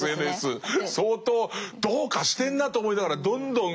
相当どうかしてんなと思いながらどんどん何かを期待しちゃう。